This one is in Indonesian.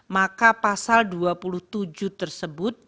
maka pasal dua puluh tujuh tersebut